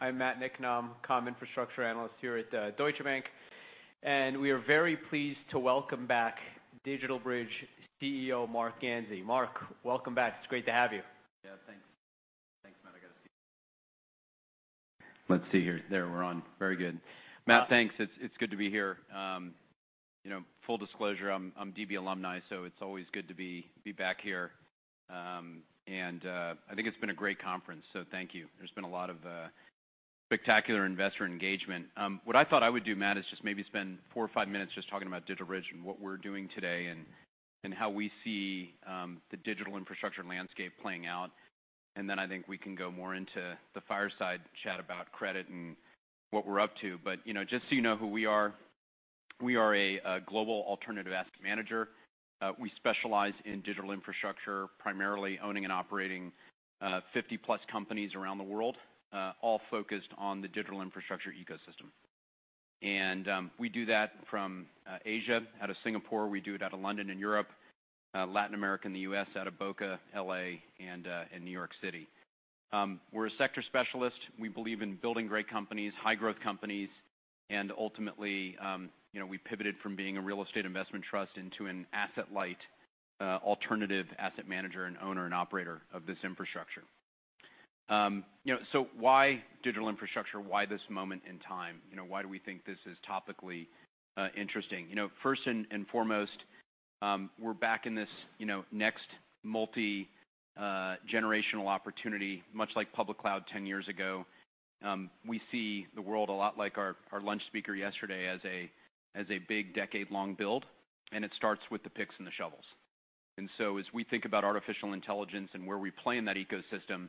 I'm Matt Niknam, Comm Infrastructure Analyst here at Deutsche Bank, and we are very pleased to welcome back DigitalBridge CEO, Marc Ganzi. Marc, welcome back. It's great to have you. Yeah, thanks. Thanks, Matt. I got to see. Let's see here. There, we're on. Very good. Matt, thanks. It's good to be here. You know, full disclosure, I'm DB alumni, so it's always good to be back here. And I think it's been a great conference, so thank you. There's been a lot of spectacular investor engagement. What I thought I would do, Matt, is just maybe spend four or five minutes just talking about DigitalBridge and what we're doing today, and how we see the digital infrastructure landscape playing out. And then I think we can go more into the fireside chat about credit and what we're up to. But you know, just so you know who we are, we are a global alternative asset manager. We specialize in digital infrastructure, primarily owning and operating 50+ companies around the world, all focused on the digital infrastructure ecosystem. And we do that from Asia, out of Singapore, we do it out of London in Europe, Latin America, and the U.S., out of Boca Raton, Los Angeles, and in New York City. We're a sector specialist. We believe in building great companies, high-growth companies, and ultimately, you know, we pivoted from being a real estate investment trust into an asset-light alternative asset manager and owner and operator of this infrastructure. You know, so why digital infrastructure? Why this moment in time? You know, why do we think this is topically interesting? You know, first and foremost, we're back in this, you know, next multi-generational opportunity, much like public cloud 10 years ago. We see the world a lot like our lunch speaker yesterday as a big decade-long build, and it starts with the picks and the shovels. So as we think about artificial intelligence and where we play in that ecosystem,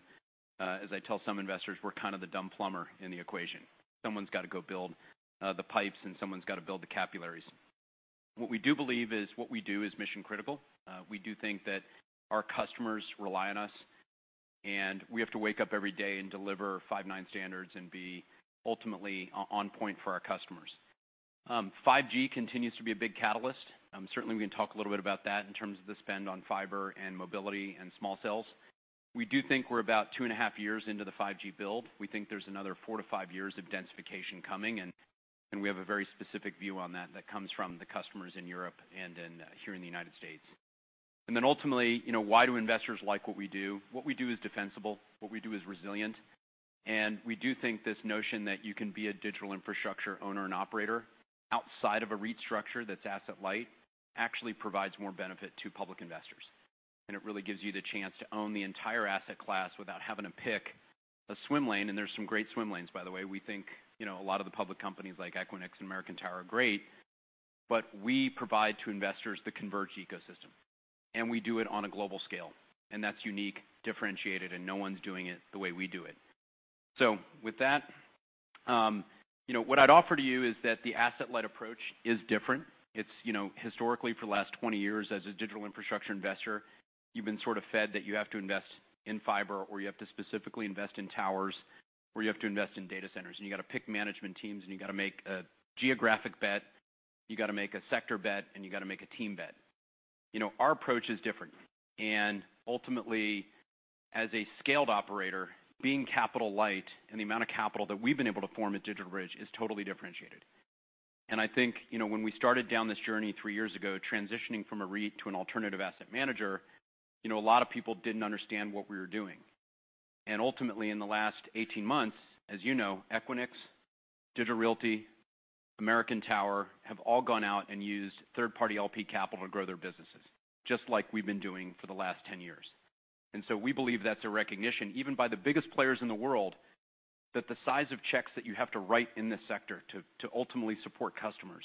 as I tell some investors, we're kind of the dumb plumber in the equation. Someone's got to go build the pipes, and someone's got to build the capillaries. What we do believe is, what we do is mission-critical. We do think that our customers rely on us, and we have to wake up every day and deliver five nine standards and be ultimately on point for our customers. 5G continues to be a big catalyst. Certainly, we can talk a little bit about that in terms of the spend on fiber and mobility and small cells. We do think we're about 2.5 years into the 5G build. We think there's another 4-5 years of densification coming, and we have a very specific view on that, that comes from the customers in Europe and in here in the United States. And then ultimately, you know, why do investors like what we do? What we do is defensible, what we do is resilient, and we do think this notion that you can be a digital infrastructure owner and operator outside of a REIT structure that's asset-light, actually provides more benefit to public investors. And it really gives you the chance to own the entire asset class without having to pick a swim lane, and there's some great swim lanes, by the way. We think, you know, a lot of the public companies like Equinix and American Tower are great, but we provide to investors the converged ecosystem, and we do it on a global scale, and that's unique, differentiated, and no one's doing it the way we do it. So with that, you know, what I'd offer to you is that the asset-light approach is different. It's, you know, historically, for the last 20 years as a digital infrastructure investor, you've been sort of fed that you have to invest in fiber, or you have to specifically invest in towers, or you have to invest in data centers, and you've got to pick management teams, and you've got to make a geographic bet, you've got to make a sector bet, and you've got to make a team bet. You know, our approach is different. And ultimately, as a scaled operator, being capital light and the amount of capital that we've been able to form at DigitalBridge is totally differentiated. And I think, you know, when we started down this journey 3 years ago, transitioning from a REIT to an alternative asset manager, you know, a lot of people didn't understand what we were doing. And ultimately, in the last 18 months, as you know, Equinix, Digital Realty, American Tower, have all gone out and used third-party LP capital to grow their businesses, just like we've been doing for the last 10 years. And so we believe that's a recognition, even by the biggest players in the world, that the size of checks that you have to write in this sector to, to ultimately support customers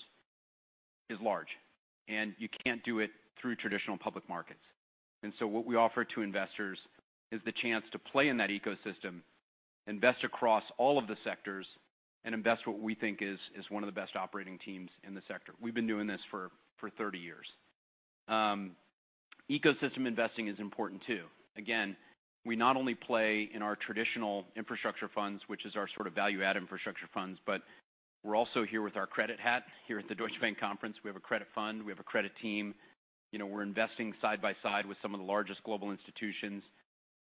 is large, and you can't do it through traditional public markets. And so what we offer to investors is the chance to play in that ecosystem, invest across all of the sectors, and invest what we think is one of the best operating teams in the sector. We've been doing this for 30 years. Ecosystem investing is important too. Again, we not only play in our traditional infrastructure funds, which is our sort of value-add infrastructure funds, but we're also here with our credit hat. Here at the Deutsche Bank Conference, we have a credit fund. We have a credit team. You know, we're investing side by side with some of the largest global institutions.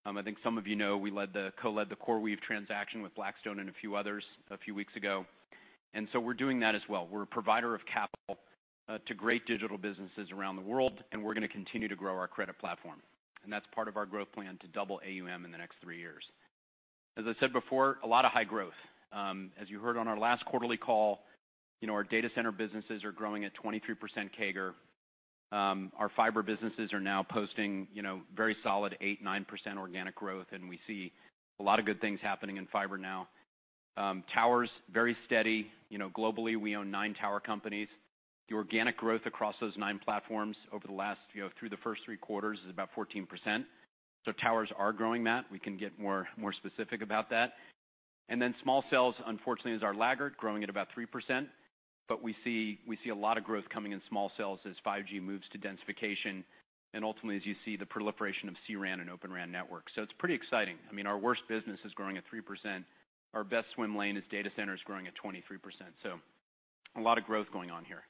I think some of you know, we co-led the CoreWeave transaction with Blackstone and a few others a few weeks ago, and so we're doing that as well. We're a provider of capital to great digital businesses around the world, and we're gonna continue to grow our credit platform. And that's part of our growth plan to double AUM in the next three years. As I said before, a lot of high growth. As you heard on our last quarterly call, you know, our data center businesses are growing at 23% CAGR. Our fiber businesses are now posting, you know, very solid 8-9% organic growth, and we see a lot of good things happening in fiber now. Towers, very steady. You know, globally, we own nine tower companies. The organic growth across those nine platforms over the last, you know, through the first three quarters is about 14%. So towers are growing that. We can get more specific about that. And then small cells, unfortunately, is our laggard, growing at about 3%, but we see, we see a lot of growth coming in small cells as 5G moves to densification and ultimately, as you see the proliferation of C-RAN and O-RAN networks. So it's pretty exciting. I mean, our worst business is growing at 3%. Our best swim lane is data centers growing at 23%. So a lot of growth going on here.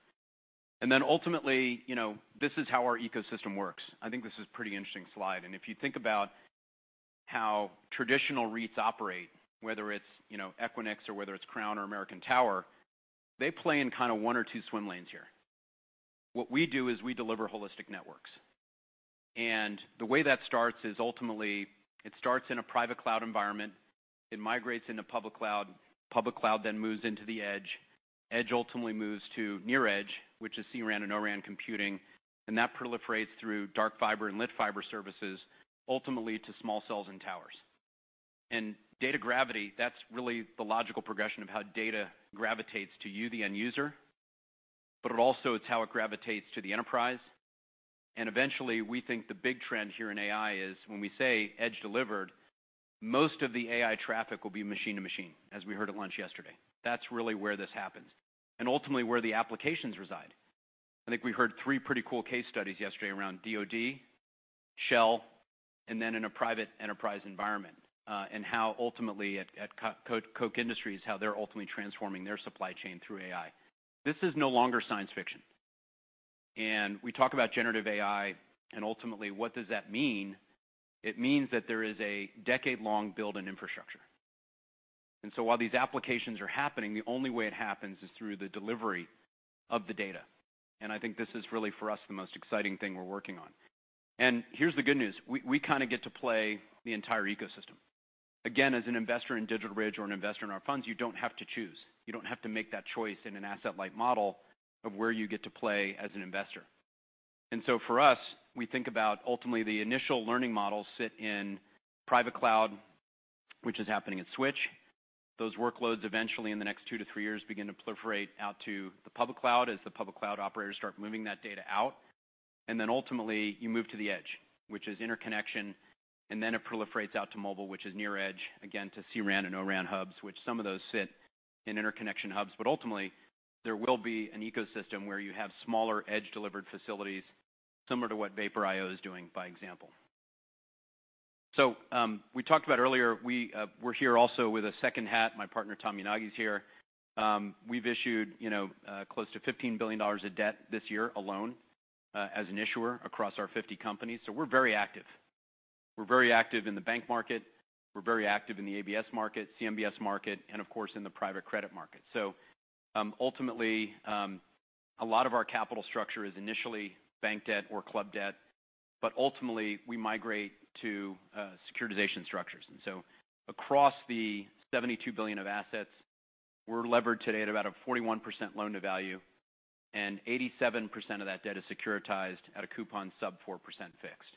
And then ultimately, you know, this is how our ecosystem works. I think this is a pretty interesting slide. And if you think about how traditional REITs operate, whether it's, you know, Equinix or whether it's Crown or American Tower, they play in kind of one or two swim lanes here. What we do is we deliver holistic networks, and the way that starts is ultimately it starts in a private cloud environment, it migrates into public cloud, public cloud then moves into the edge. Edge ultimately moves to near edge, which is C-RAN and O-RAN computing, and that proliferates through dark fiber and lit fiber services, ultimately to small cells and towers. Data gravity, that's really the logical progression of how data gravitates to you, the end user, but it also it's how it gravitates to the enterprise. Eventually, we think the big trend here in AI is when we say edge delivered, most of the AI traffic will be machine to machine, as we heard at lunch yesterday. That's really where this happens and ultimately where the applications reside. I think we heard three pretty cool case studies yesterday around DoD, Shell, and then in a private enterprise environment, and how ultimately at Koch Industries, how they're ultimately transforming their supply chain through AI. This is no longer science fiction, and we talk about generative AI, and ultimately, what does that mean? It means that there is a decade-long build in infrastructure. And so while these applications are happening, the only way it happens is through the delivery of the data. And I think this is really, for us, the most exciting thing we're working on. And here's the good news: We, we kind of get to play the entire ecosystem. Again, as an investor in DigitalBridge or an investor in our funds, you don't have to choose. You don't have to make that choice in an asset-light model of where you get to play as an investor. So for us, we think about ultimately, the initial learning models sit in private cloud, which is happening at Switch. Those workloads eventually, in the next 2-3 years, begin to proliferate out to the public cloud as the public cloud operators start moving that data out. Then ultimately, you move to the edge, which is interconnection, and then it proliferates out to mobile, which is near edge, again, to C-RAN and O-RAN hubs, which some of those sit in interconnection hubs. But ultimately, there will be an ecosystem where you have smaller edge-delivered facilities, similar to what Vapor IO is doing, by example. So, we talked about earlier, we're here also with a second hat. My partner, Tom Yanagi, is here. We've issued, you know, close to $15 billion of debt this year alone, as an issuer across our 50 companies. So we're very active. We're very active in the bank market, we're very active in the ABS market, CMBS market, and of course, in the private credit market. So, ultimately, a lot of our capital structure is initially bank debt or club debt, but ultimately, we migrate to securitization structures. And so across the $72 billion of assets, we're levered today at about a 41% loan-to-value, and 87% of that debt is securitized at a coupon sub 4% fixed.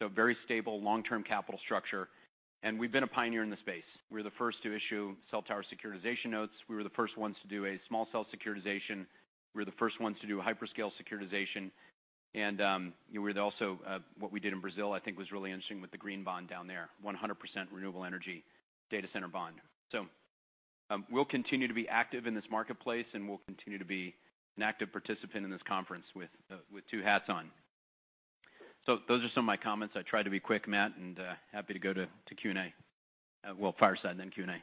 So a very stable, long-term capital structure, and we've been a pioneer in the space. We're the first to issue cell tower securitization notes. We were the first ones to do a small cell securitization. We're the first ones to do a hyperscale securitization. And, we're also, what we did in Brazil, I think, was really interesting with the green bond down there, 100% renewable energy data center bond. So, we'll continue to be active in this marketplace, and we'll continue to be an active participant in this conference with two hats on. So those are some of my comments. I tried to be quick, Matt, and happy to go to Q&A. Well, fireside, then Q&A.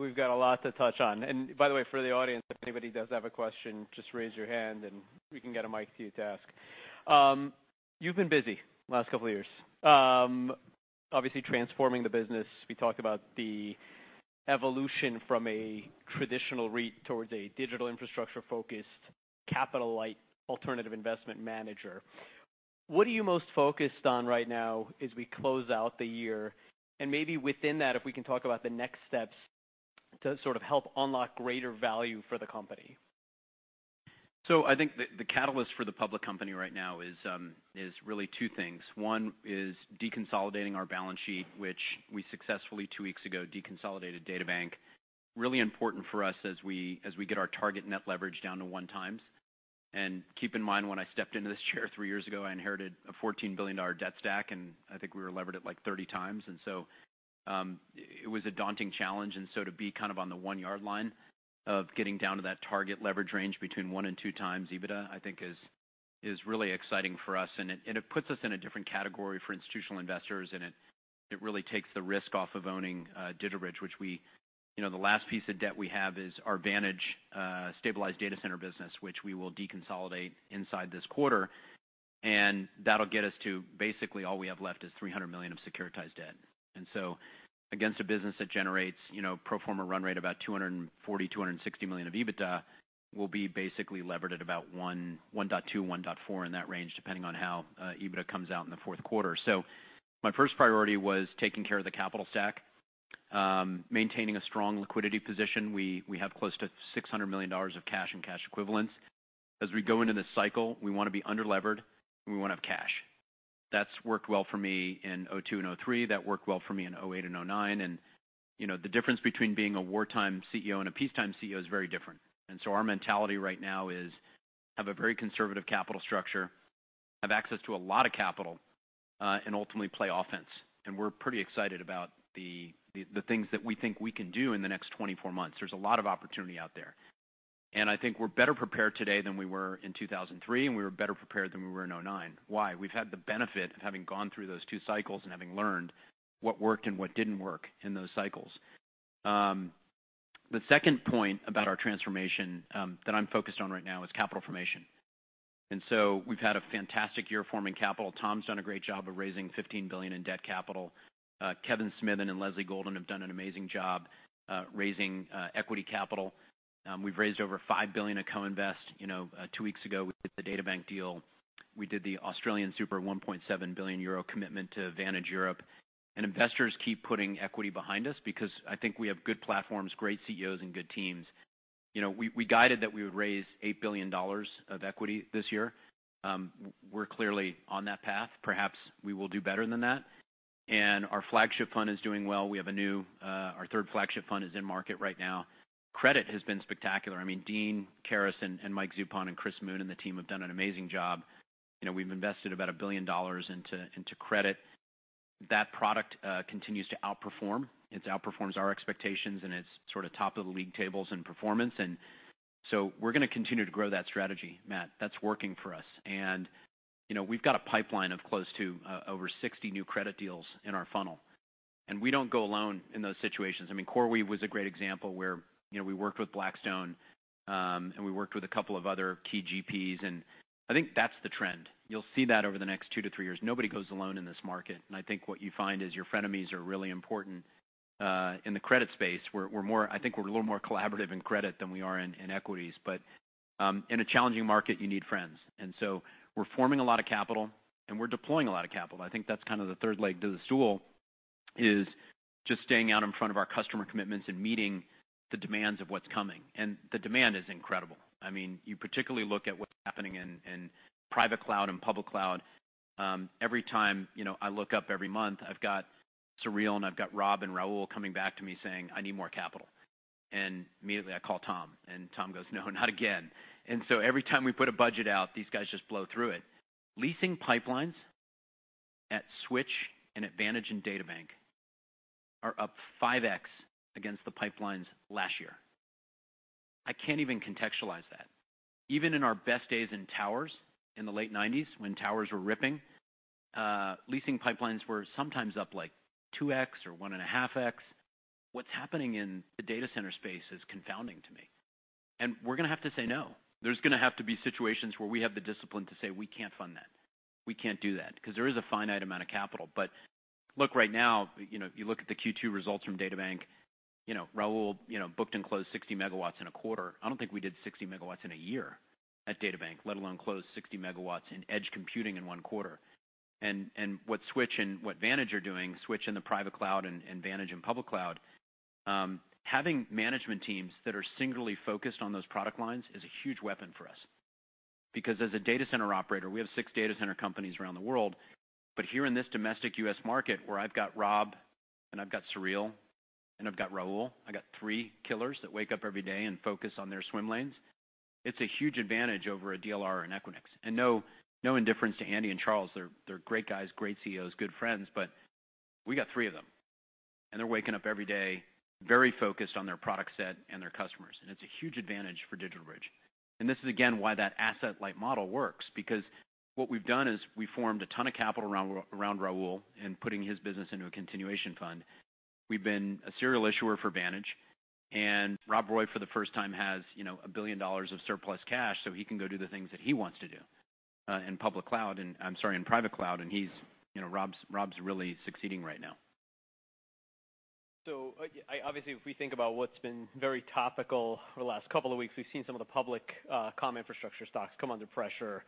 We've got a lot to touch on. And by the way, for the audience, if anybody does have a question, just raise your hand and we can get a mic to you to ask. You've been busy the last couple of years. Obviously transforming the business. We talked about the evolution from a traditional REIT towards a digital infrastructure-focused, capital-light, alternative investment manager. What are you most focused on right now as we close out the year? And maybe within that, if we can talk about the next steps to sort of help unlock greater value for the company. So I think the catalyst for the public company right now is really two things. One is deconsolidating our balance sheet, which we successfully, two weeks ago, deconsolidated DataBank. Really important for us as we get our target net leverage down to 1x. And keep in mind, when I stepped into this chair three years ago, I inherited a $14 billion debt stack, and I think we were levered at, like, 30x. And so it was a daunting challenge. And so to be kind of on the one-yard line of getting down to that target leverage range between 1x-2x EBITDA, I think is really exciting for us. And it puts us in a different category for institutional investors, and it really takes the risk off of owning DigitalBridge, which we... You know, the last piece of debt we have is our Vantage stabilized data center business, which we will deconsolidate inside this quarter, and that'll get us to basically all we have left is $300 million of securitized debt. And so against a business that generates, you know, pro forma run rate about $240-$260 million of EBITDA, we'll be basically levered at about 1, 1.2, 1.4, in that range, depending on how EBITDA comes out in the fourth quarter. So my first priority was taking care of the capital stack, maintaining a strong liquidity position. We have close to $600 million of cash and cash equivalents. As we go into this cycle, we want to be under-levered, and we want to have cash. That's worked well for me in 2002 and 2003. That worked well for me in 2008 and 2009. You know, the difference between being a wartime CEO and a peacetime CEO is very different. So our mentality right now is have a very conservative capital structure, have access to a lot of capital, and ultimately play offense. We're pretty excited about the things that we think we can do in the next 24 months. There's a lot of opportunity out there, and I think we're better prepared today than we were in 2003, and we were better prepared than we were in 2009. Why? We've had the benefit of having gone through those two cycles and having learned what worked and what didn't work in those cycles. The second point about our transformation that I'm focused on right now is capital formation. We've had a fantastic year forming capital. Tom's done a great job of raising $15 billion in debt capital. Kevin Smithen and Leslie Wolff Golden have done an amazing job raising equity capital. We've raised over $5 billion of co-invest. You know, two weeks ago, we did the DataBank deal. We did the AustralianSuper 1.7 billion euro commitment to Vantage Europe. And investors keep putting equity behind us because I think we have good platforms, great CEOs, and good teams. You know, we guided that we would raise $8 billion of equity this year. We're clearly on that path. Perhaps we will do better than that. And our flagship fund is doing well. We have a new... Our third flagship fund is in market right now. Credit has been spectacular. I mean, Dean Criares and, and Mike Zupon and Chris Moon and the team have done an amazing job. You know, we've invested about $1 billion into, into credit. That product continues to outperform. It outperforms our expectations, and it's sort of top of the league tables in performance. And so we're gonna continue to grow that strategy, Matt. That's working for us. And, you know, we've got a pipeline of close to, over 60 new credit deals in our funnel, and we don't go alone in those situations. I mean, CoreWeave was a great example where, you know, we worked with Blackstone, and we worked with a couple of other key GPs, and I think that's the trend. You'll see that over the next 2-3 years. Nobody goes alone in this market, and I think what you find is your frenemies are really important. In the credit space, we're more, I think we're a little more collaborative in credit than we are in equities. But in a challenging market, you need friends. And so we're forming a lot of capital, and we're deploying a lot of capital. I think that's kind of the third leg to the stool, is just staying out in front of our customer commitments and meeting the demands of what's coming. And the demand is incredible. I mean, you particularly look at what's happening in private cloud and public cloud. Every time, you know, I look up every month, I've got Sureel, and I've got Rob and Raul coming back to me saying, "I need more capital." Immediately, I call Tom, and Tom goes, "No, not again." So every time we put a budget out, these guys just blow through it. Leasing pipelines at Switch and at Vantage and DataBank are up 5x against the pipelines last year. I can't even contextualize that. Even in our best days in towers, in the late 1990s, when towers were ripping, leasing pipelines were sometimes up, like, 2x or 1.5x. What's happening in the data center space is confounding to me, and we're gonna have to say no. There's gonna have to be situations where we have the discipline to say, "We can't fund that. We can't do that, 'cause there is a finite amount of capital. But look, right now, you know, you look at the Q2 results from DataBank, you know, Raul, you know, booked and closed 60 megawatts in a quarter. I don't think we did 60 megawatts in a year at DataBank, let alone closed 60 megawatts in edge computing in one quarter. And, and what Switch and what Vantage are doing, Switch in the private cloud and, and Vantage in public cloud, having management teams that are singularly focused on those product lines is a huge weapon for us. Because as a data center operator, we have six data center companies around the world. But here in this domestic U.S. market, where I've got Rob, and I've got Sureel, and I've got Raul, I've got three killers that wake up every day and focus on their swim lanes. It's a huge advantage over a DLR and Equinix. And no, no indifference to Andy and Charles. They're, they're great guys, great CEOs, good friends, but we got three of them, and they're waking up every day, very focused on their product set and their customers, and it's a huge advantage for DigitalBridge. And this is again, why that asset-light model works, because what we've done is we've formed a ton of capital around, around Raul and putting his business into a continuation fund. We've been a serial issuer for Vantage, and Rob Roy, for the first time, has, you know, $1 billion of surplus cash, so he can go do the things that he wants to do, in public cloud. I'm sorry, in private cloud, and he's, you know, Rob's, Rob's really succeeding right now. So, obviously, if we think about what's been very topical for the last couple of weeks, we've seen some of the public comm infrastructure stocks come under pressure,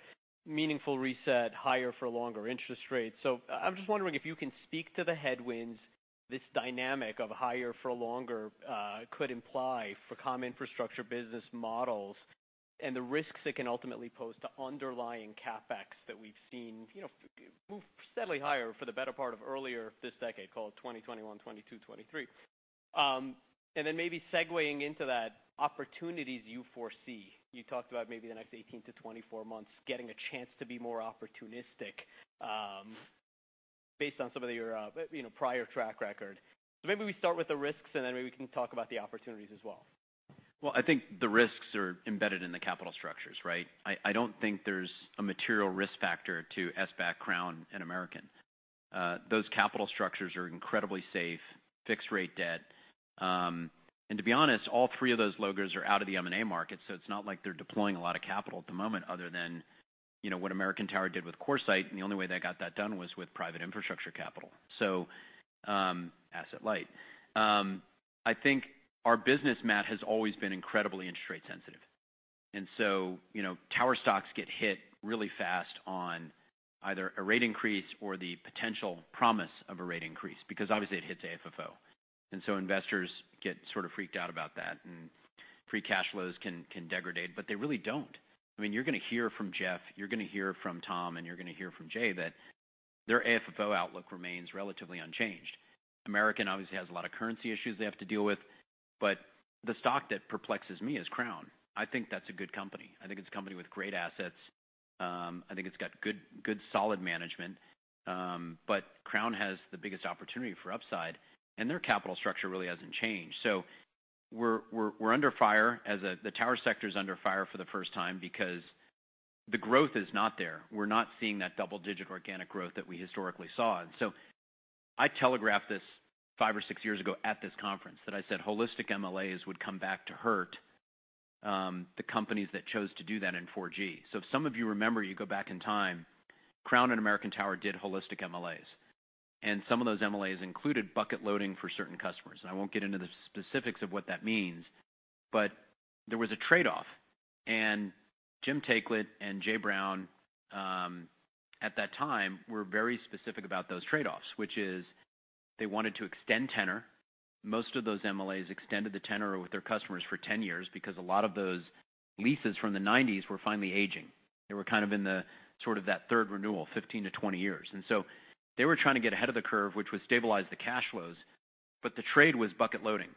meaningful reset, higher for longer interest rates. So I'm just wondering if you can speak to the headwinds this dynamic of higher for longer could imply for comm infrastructure business models and the risks it can ultimately pose to underlying CapEx that we've seen, you know, move steadily higher for the better part of earlier this decade, call it 2021, 2022, 2023. And then maybe segueing into that, opportunities you foresee. You talked about maybe the next 18-24 months, getting a chance to be more opportunistic, based on some of your, you know, prior track record. Maybe we start with the risks, and then maybe we can talk about the opportunities as well. Well, I think the risks are embedded in the capital structures, right? I don't think there's a material risk factor to SBAC, Crown, and American. Those capital structures are incredibly safe, fixed-rate debt. And to be honest, all three of those logos are out of the M&A market, so it's not like they're deploying a lot of capital at the moment other than, you know, what American Tower did with CoreSite, and the only way they got that done was with private infrastructure capital. So, asset-light. I think our business, Matt, has always been incredibly interest rate sensitive. And so, you know, tower stocks get hit really fast on either a rate increase or the potential promise of a rate increase, because obviously it hits AFFO. And so investors get sort of freaked out about that, and free cash flows can degradate, but they really don't. I mean, you're gonna hear from Jeff, you're gonna hear from Tom, and you're gonna hear from Jay that their AFFO outlook remains relatively unchanged. American obviously has a lot of currency issues they have to deal with, but the stock that perplexes me is Crown. I think that's a good company. I think it's a company with great assets. I think it's got good, good solid management. But Crown has the biggest opportunity for upside, and their capital structure really hasn't changed. So we're under fire as the tower sector is under fire for the first time because the growth is not there. We're not seeing that double-digit organic growth that we historically saw. I telegraphed this 5 or 6 years ago at this conference, that I said holistic MLAs would come back to hurt the companies that chose to do that in 4G. If some of you remember, you go back in time, Crown and American Tower did holistic MLAs, and some of those MLAs included bucket loading for certain customers. I won't get into the specifics of what that means, but there was a trade-off, and Jim Taiclet and Jay Brown at that time were very specific about those trade-offs, which is they wanted to extend tenure. Most of those MLAs extended the tenure with their customers for 10 years because a lot of those leases from the '90s were finally aging. They were kind of in the sort of that third renewal, 15-20 years. And so they were trying to get ahead of the curve, which would stabilize the cash flows, but the trade was bucket loading,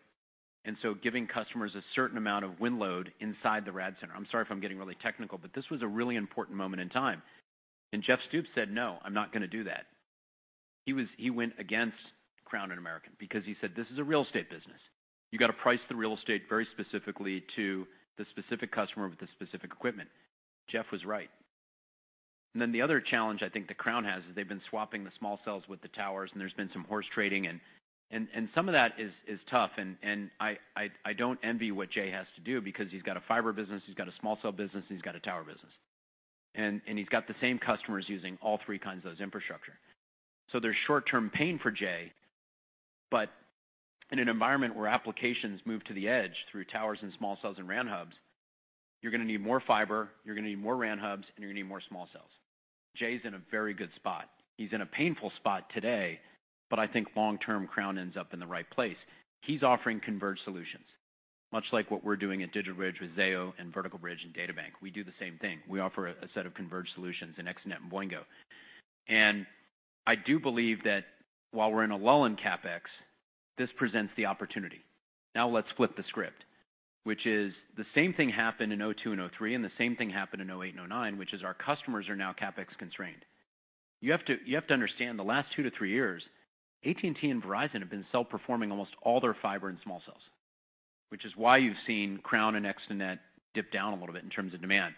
and so giving customers a certain amount of wind load inside the rad center. I'm sorry if I'm getting really technical, but this was a really important moment in time. And Jeff Stoops said, "No, I'm not gonna do that." He was. He went against Crown and American because he said, "This is a real estate business. You got to price the real estate very specifically to the specific customer with the specific equipment." Jeff was right. And then the other challenge I think the Crown has, is they've been swapping the small cells with the towers, and there's been some horse trading. Some of that is tough, and I don't envy what Jay has to do because he's got a fiber business, he's got a small cell business, and he's got a tower business. He's got the same customers using all three kinds of those infrastructure. So there's short-term pain for Jay, but in an environment where applications move to the edge through towers and small cells and RAN hubs, you're gonna need more fiber, you're gonna need more RAN hubs, and you're gonna need more small cells. Jay's in a very good spot. He's in a painful spot today, but I think long term, Crown ends up in the right place. He's offering converged solutions, much like what we're doing at DigitalBridge with Zayo and Vertical Bridge and DataBank. We do the same thing. We offer a set of converged solutions in ExteNet and Boingo. I do believe that while we're in a lull in CapEx, this presents the opportunity. Now, let's flip the script, which is the same thing happened in 2002 and 2003, and the same thing happened in 2008 and 2009, which is our customers are now CapEx-constrained. You have to, you have to understand, the last two to three years, AT&T and Verizon have been self-performing almost all their fiber and small cells, which is why you've seen Crown and ExteNet dip down a little bit in terms of demand.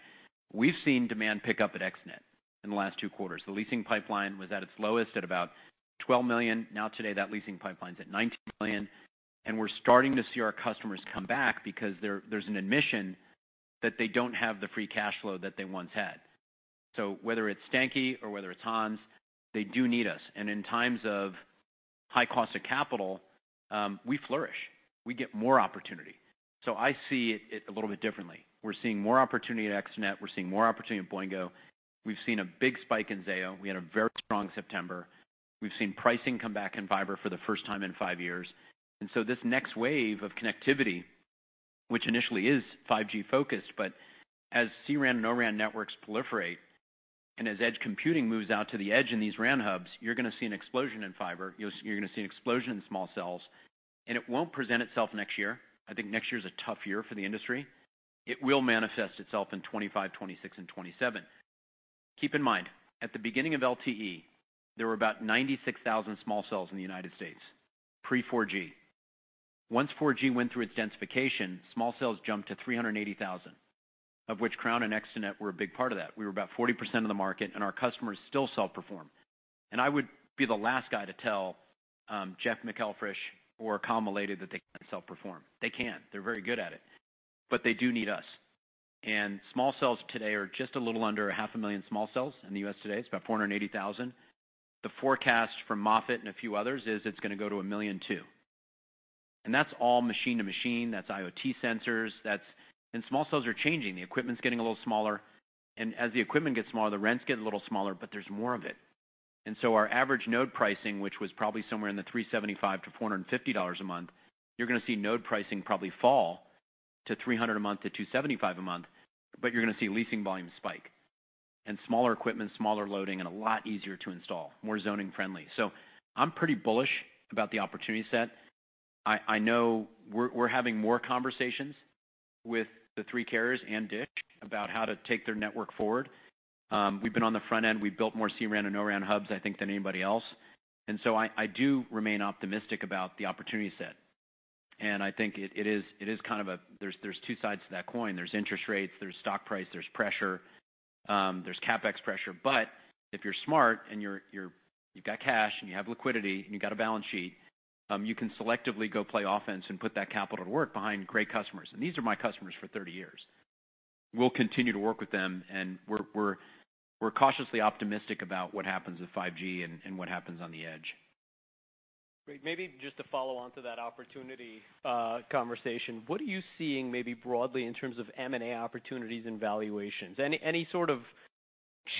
We've seen demand pick up at ExteNet in the last two quarters. The leasing pipeline was at its lowest at about $12 million. Now, today, that leasing pipeline is at $19 million, and we're starting to see our customers come back because there, there's an admission that they don't have the free cash flow that they once had. So whether it's Stankey or whether it's Hans, they do need us. And in times of high cost of capital, we flourish. We get more opportunity. So I see it a little bit differently. We're seeing more opportunity at ExteNet, we're seeing more opportunity at Boingo. We've seen a big spike in Zayo. We had a very strong September. We've seen pricing come back in fiber for the first time in five years. So this next wave of connectivity, which initially is 5G-focused, but as C-RAN and O-RAN networks proliferate, and as edge computing moves out to the edge in these RAN hubs, you're gonna see an explosion in fiber, you're gonna see an explosion in small cells. It won't present itself next year. I think next year is a tough year for the industry. It will manifest itself in 2025, 2026, and 2027. Keep in mind, at the beginning of LTE, there were about 96,000 small cells in the United States, pre-4G. Once 4G went through its densification, small cells jumped to 380,000, of which Crown and ExteNet were a big part of that. We were about 40% of the market, and our customers still self-perform. I would be the last guy to tell Jeff McElfresh or Cam M. Late that they can't self-perform. They can. They're very good at it, but they do need us. Small cells today are just a little under 500,000 small cells in the U.S. today. It's about 480,000. The forecast from Moffett and a few others is it's gonna go to 1.2 million, and that's all machine to machine, that's IoT sensors, that's... Small cells are changing. The equipment's getting a little smaller, and as the equipment gets smaller, the rents get a little smaller, but there's more of it. And so our average node pricing, which was probably somewhere in the $375-$450 a month, you're gonna see node pricing probably fall to $300-$275 a month, but you're gonna see leasing volume spike. And smaller equipment, smaller loading, and a lot easier to install, more zoning-friendly. So I'm pretty bullish about the opportunity set. I know we're having more conversations with the three carriers and DISH about how to take their network forward. We've been on the front end. We've built more C-RAN and O-RAN hubs, I think, than anybody else. And so I do remain optimistic about the opportunity set. And I think it is kind of a—there's two sides to that coin: There's interest rates, there's stock price, there's pressure, there's CapEx pressure. But if you're smart and you've got cash, and you have liquidity, and you've got a balance sheet, you can selectively go play offense and put that capital to work behind great customers. And these are my customers for 30 years. We'll continue to work with them, and we're cautiously optimistic about what happens with 5G and what happens on the edge. Great. Maybe just to follow on to that opportunity, conversation, what are you seeing, maybe broadly, in terms of M&A opportunities and valuations? Any sort of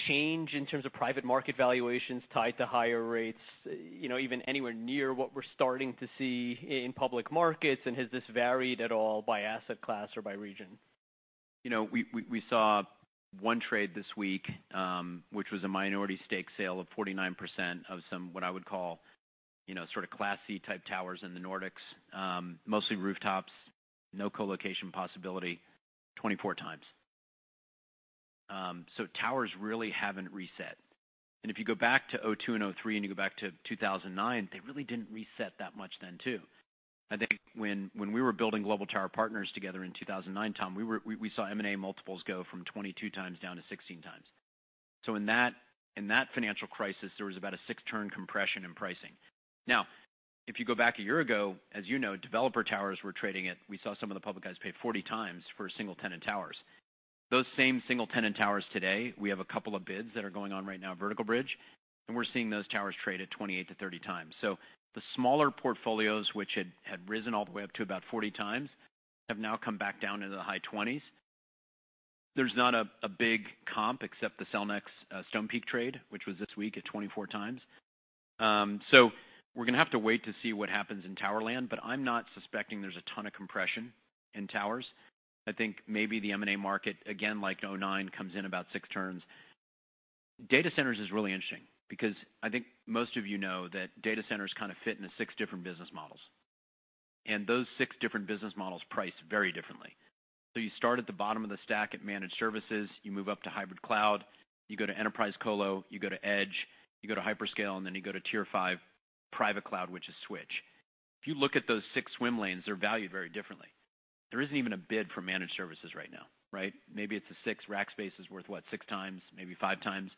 change in terms of private market valuations tied to higher rates, you know, even anywhere near what we're starting to see in public markets? And has this varied at all by asset class or by region? You know, we saw one trade this week, which was a minority stake sale of 49% of some, what I would call, you know, sort of Class C type towers in the Nordics. Mostly rooftops, no co-location possibility, 24x. So towers really haven't reset. And if you go back to 2002 and 2003, and you go back to 2009, they really didn't reset that much then, too. I think when we were building Global Tower Partners together in 2009, Tom, we saw M&A multiples go from 22x down to 16x. So in that financial crisis, there was about a 6-turn compression in pricing. Now, if you go back a year ago, as you know, developer towers were trading at... We saw some of the public guys pay 40x for single-tenant towers. Those same single-tenant towers today, we have a couple of bids that are going on right now, Vertical Bridge, and we're seeing those towers trade at 28-30 times. So the smaller portfolios, which had risen all the way up to about 40 times, have now come back down to the high 20s. There's not a big comp except the Cellnex, Stonepeak trade, which was this week at 24 times. So we're gonna have to wait to see what happens in tower land, but I'm not suspecting there's a ton of compression in towers. I think maybe the M&A market, again, like 2009, comes in about 6 turns. Data centers is really interesting because I think most of you know that data centers kind of fit into six different business models, and those six different business models price very differently. So you start at the bottom of the stack at managed services, you move up to hybrid cloud, you go to enterprise colo, you go to edge, you go to hyperscale, and then you go to tier 5 private cloud, which is Switch. If you look at those 6 swim lanes, they're valued very differently. There isn't even a bid for managed services right now, right? Maybe it's a 6x. Rackspace is worth, what, 6x, maybe 5x.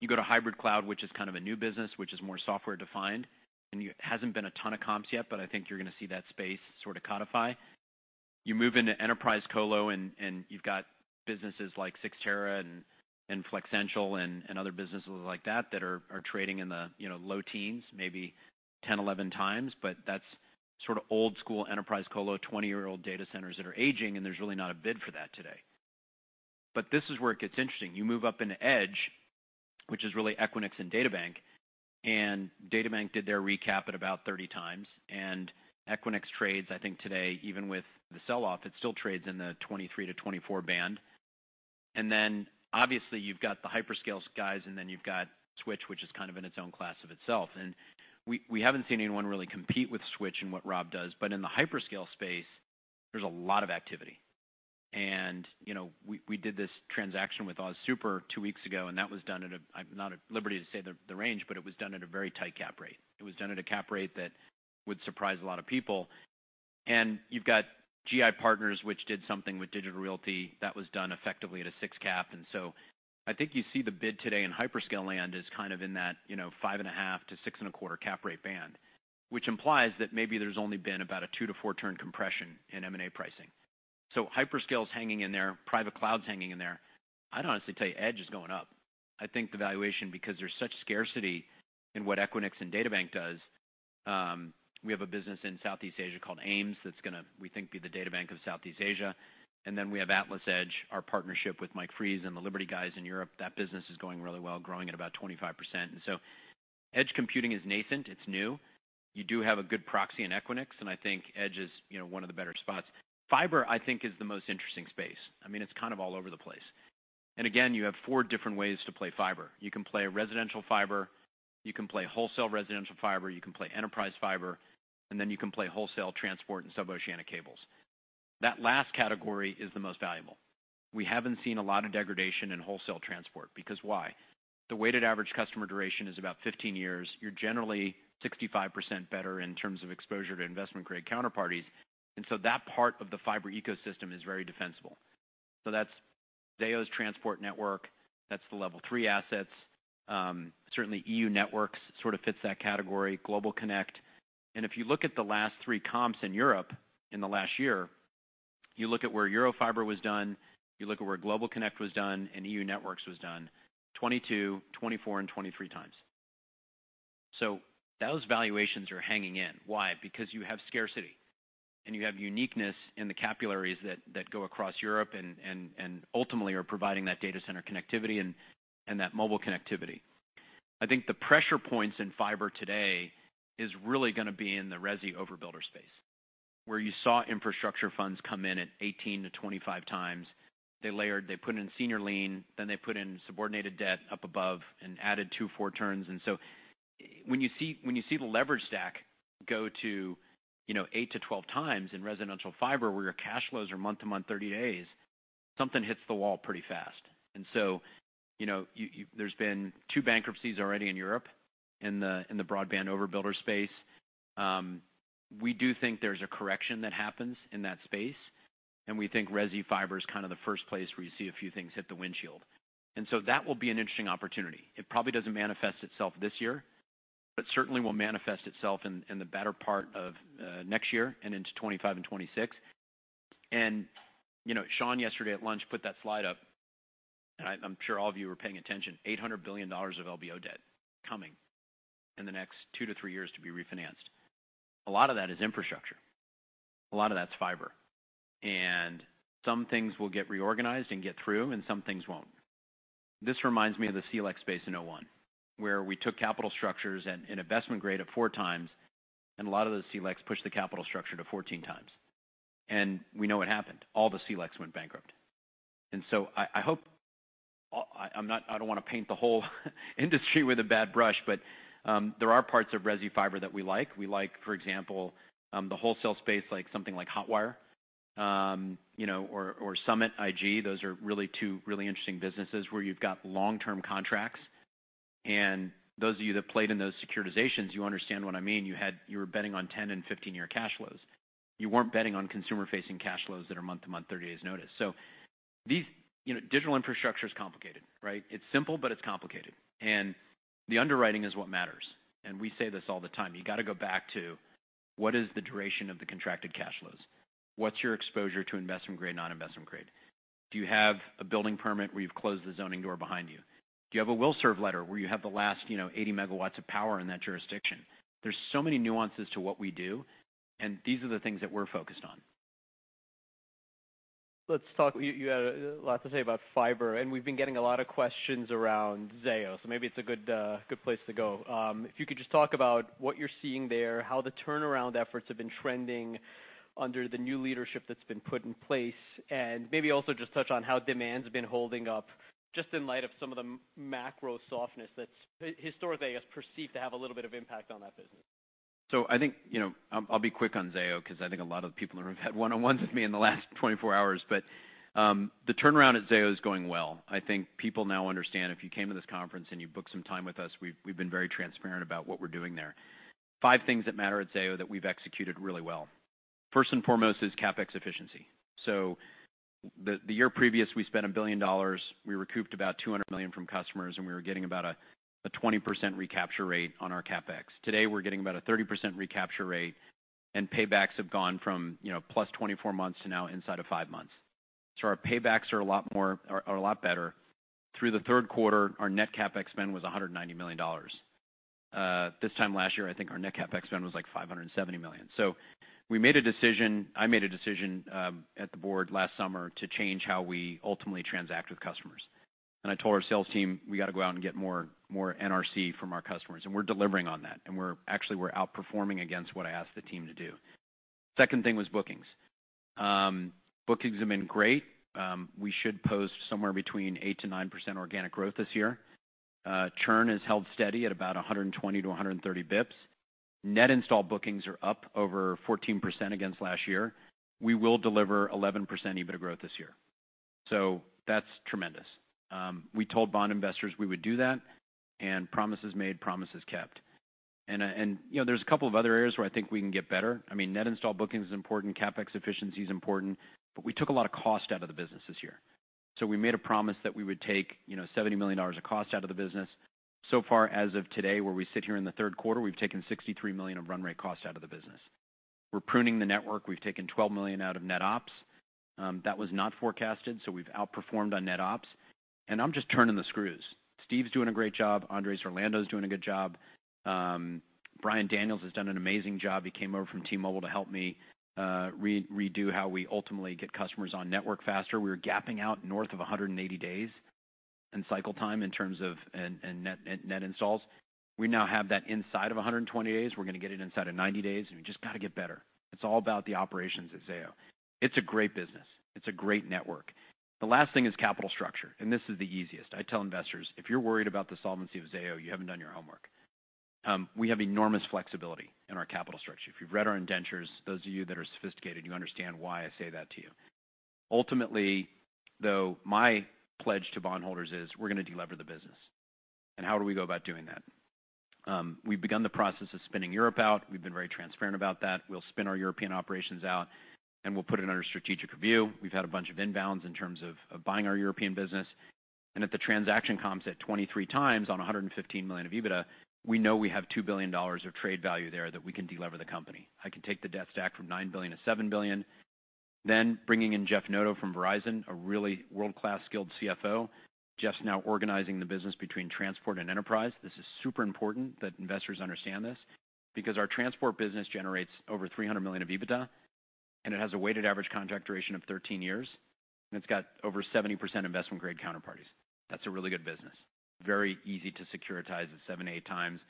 You go to hybrid cloud, which is kind of a new business, which is more software-defined, and hasn't been a ton of comps yet, but I think you're gonna see that space sort of codify. You move into enterprise colo, and you've got businesses like Cyxtera and Flexential and other businesses like that that are trading in the, you know, low teens, maybe 10, 11 times, but that's sort of old school enterprise colo, 20-year-old data centers that are aging, and there's really not a bid for that today. But this is where it gets interesting. You move up into edge, which is really Equinix and DataBank, and DataBank did their recap at about 30 times, and Equinix trades, I think today, even with the sell-off, it still trades in the 23-24 band. And then, obviously, you've got the hyperscale guys, and then you've got Switch, which is kind of in its own class of itself. We haven't seen anyone really compete with Switch and what Rob does, but in the hyperscale space, there's a lot of activity. You know, we did this transaction with AustralianSuper two weeks ago, and that was done at a... I'm not at liberty to say the range, but it was done at a very tight cap rate. It was done at a cap rate that would surprise a lot of people. You've got GI Partners, which did something with Digital Realty that was done effectively at a 6 cap. So I think you see the bid today in hyperscale land is kind of in that, you know, 5.5-6.25 cap rate band, which implies that maybe there's only been about a 2-4-turn compression in M&A pricing. So hyperscale's hanging in there, private cloud's hanging in there. I'd honestly tell you, edge is going up. I think the valuation, because there's such scarcity in what Equinix and DataBank does, we have a business in Southeast Asia called AIMS, that's gonna, we think, be the DataBank of Southeast Asia. And then we have AtlasEdge, our partnership with Mike Fries and the Liberty guys in Europe. That business is going really well, growing at about 25%. And so edge computing is nascent, it's new. You do have a good proxy in Equinix, and I think edge is, you know, one of the better spots. Fiber, I think, is the most interesting space. I mean, it's kind of all over the place. And again, you have four different ways to play fiber. You can play residential fiber, you can play wholesale residential fiber, you can play enterprise fiber, and then you can play wholesale transport and sub-oceanic cables. That last category is the most valuable. We haven't seen a lot of degradation in wholesale transport, because why? The weighted average customer duration is about 15 years. You're generally 65% better in terms of exposure to investment-grade counterparties, and so that part of the fiber ecosystem is very defensible. So that's Zayo's transport network, that's the Level 3 assets. Certainly, euNetworks sort of fits that category, GlobalConnect. And if you look at the last three comps in Europe in the last year, you look at where Eurofiber was done, you look at where GlobalConnect was done, and euNetworks was done: 22, 24, and 23 times. So those valuations are hanging in. Why? Because you have scarcity, and you have uniqueness in the capillaries that go across Europe and ultimately are providing that data center connectivity and that mobile connectivity. I think the pressure points in fiber today is really gonna be in the resi overbuilder space, where you saw infrastructure funds come in at 18-25 times. They layered, they put in senior lien, then they put in subordinated debt up above and added 2-4 turns. And so when you see the leverage stack go to, you know, 8-12 times in residential fiber, where your cash flows are month to month, 30 days, something hits the wall pretty fast. And so, you know, there's been two bankruptcies already in Europe in the broadband overbuilder space. We do think there's a correction that happens in that space, and we think resi fiber is kind of the first place where you see a few things hit the windshield. And so that will be an interesting opportunity. It probably doesn't manifest itself this year, but certainly will manifest itself in, in the better part of, next year and into 2025 and 2026. And, you know, Sean, yesterday at lunch, put that slide up, and I, I'm sure all of you were paying attention, $800 billion of LBO debt coming in the next two to three years to be refinanced. A lot of that is infrastructure. A lot of that's fiber. And some things will get reorganized and get through, and some things won't. This reminds me of the CLEC space in 2001, where we took capital structures and investment grade of 4x, and a lot of the CLECs pushed the capital structure to 14x. And we know what happened. All the CLECs went bankrupt. And so I hope... I'm not-- I don't wanna paint the whole industry with a bad brush, but there are parts of resi fiber that we like. We like, for example, the wholesale space, like something like Hotwire, you know, or SummitIG. Those are really two really interesting businesses where you've got long-term contracts.... And those of you that played in those securitizations, you understand what I mean. You had-- you were betting on 10- and 15-year cash flows. You weren't betting on consumer-facing cash flows that are month-to-month, 30 days' notice. So these, you know, digital infrastructure is complicated, right? It's simple, but it's complicated. And the underwriting is what matters, and we say this all the time. You got to go back to: What is the duration of the contracted cash flows? What's your exposure to investment-grade, non-investment grade? Do you have a building permit where you've closed the zoning door behind you? Do you have a will serve letter, where you have the last, you know, 80 MW of power in that jurisdiction? There's so many nuances to what we do, and these are the things that we're focused on. Let's talk. You had a lot to say about fiber, and we've been getting a lot of questions around Zayo, so maybe it's a good place to go. If you could just talk about what you're seeing there, how the turnaround efforts have been trending under the new leadership that's been put in place, and maybe also just touch on how demand's been holding up, just in light of some of the macro softness that's historically, I guess, perceived to have a little bit of impact on that business. So I think, you know, I'm. I'll be quick on Zayo, 'cause I think a lot of the people in the room have had one-on-ones with me in the last 24 hours. But, the turnaround at Zayo is going well. I think people now understand if you came to this conference and you booked some time with us, we've been very transparent about what we're doing there. Five things that matter at Zayo that we've executed really well. First and foremost is CapEx efficiency. So the year previous, we spent $1 billion. We recouped about $200 million from customers, and we were getting about a 20% recapture rate on our CapEx. Today, we're getting about a 30% recapture rate, and paybacks have gone from, you know, +24 months to now inside of 5 months. So our paybacks are a lot more, a lot better. Through the third quarter, our net CapEx spend was $190 million. This time last year, I think our net CapEx spend was, like, $570 million. So we made a decision, I made a decision at the board last summer to change how we ultimately transact with customers. And I told our sales team, "We got to go out and get more, more NRC from our customers." And we're delivering on that, and we're actually, we're outperforming against what I asked the team to do. Second thing was bookings. Bookings have been great. We should post somewhere between 8%-9% organic growth this year. Churn has held steady at about 120-130 basis points. Net install bookings are up over 14% against last year. We will deliver 11% EBITDA growth this year. So that's tremendous. We told bond investors we would do that, and promises made, promises kept. And, you know, there's a couple of other areas where I think we can get better. I mean, net install bookings is important, CapEx efficiency is important, but we took a lot of cost out of the business this year. So we made a promise that we would take, you know, $70 million of cost out of the business. So far, as of today, where we sit here in the third quarter, we've taken $63 million of run rate cost out of the business. We're pruning the network. We've taken $12 million out of net ops. That was not forecasted, so we've outperformed on net ops, and I'm just turning the screws. Steve's doing a great job. Andres Irlando is doing a good job. Brian Daniels has done an amazing job. He came over from T-Mobile to help me, redo how we ultimately get customers on network faster. We were gapping out north of 180 days in cycle time in terms of... and net installs. We now have that inside of 120 days. We're gonna get it inside of 90 days, and we just got to get better. It's all about the operations at Zayo. It's a great business. It's a great network. The last thing is capital structure, and this is the easiest. I tell investors, "If you're worried about the solvency of Zayo, you haven't done your homework." We have enormous flexibility in our capital structure. If you've read our indentures, those of you that are sophisticated, you understand why I say that to you. Ultimately, though, my pledge to bondholders is we're gonna delever the business. And how do we go about doing that? We've begun the process of spinning Europe out. We've been very transparent about that. We'll spin our European operations out, and we'll put it under strategic review. We've had a bunch of inbounds in terms of buying our European business, and if the transaction comps at 23x on $115 million of EBITDA, we know we have $2 billion of trade value there that we can delever the company. I can take the debt stack from $9 billion to $7 billion. Then, bringing in Jeff Noto from Verizon, a really world-class, skilled CFO. Jeff's now organizing the business between transport and enterprise. This is super important that investors understand this, because our transport business generates over $300 million of EBITDA, and it has a weighted average contract duration of 13 years, and it's got over 70% investment-grade counterparties. That's a really good business. Very easy to securitize it 7x-8x,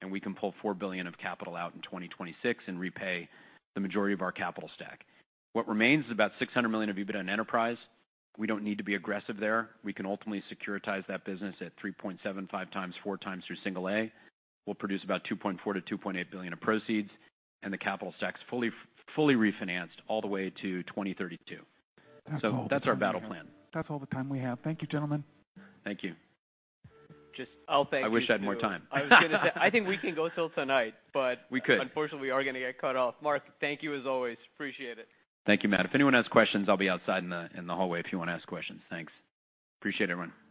and we can pull $4 billion of capital out in 2026 and repay the majority of our capital stack. What remains is about $600 million of EBITDA in enterprise. We don't need to be aggressive there. We can ultimately securitize that business at 3.75x-4x through single A. We'll produce about $2.4 billion-$2.8 billion of proceeds, and the capital stack's fully, fully refinanced all the way to 2032. That's all the time we have. So that's our battle plan. That's all the time we have. Thank you, gentlemen. Thank you. Just, I'll thank you- I wish I had more time. I was gonna say, I think we can go till tonight, but- We could. Unfortunately, we are gonna get cut off. Mark, thank you, as always. Appreciate it. Thank you, Matt. If anyone has questions, I'll be outside in the hallway if you wanna ask questions. Thanks. Appreciate it, everyone.